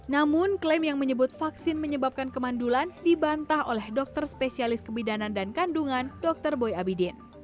namun klaim yang menyebut vaksin menyebabkan kemandulan dibantah oleh dokter spesialis kebidanan dan kandungan dr boy abidin